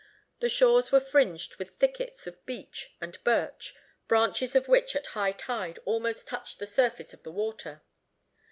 The shores were fringed with thickets of beech and birch, branches of which, at high tide, almost touched the surface of the water.